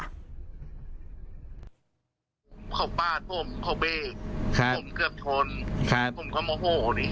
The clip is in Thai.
โบ๊ทครับ